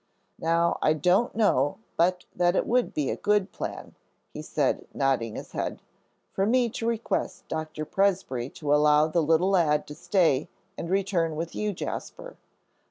"Now I don't know but that it would be a good plan," he said, nodding his head, "for me to request Doctor Presbrey to allow the little lad to stay and return with you, Jasper.